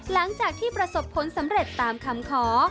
หลังจากที่ประสบผลสำเร็จตามคำขอ